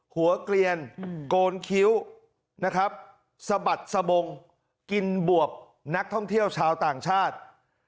เกลียนโกนคิ้วนะครับสะบัดสะบงกินบวบนักท่องเที่ยวชาวต่างชาติ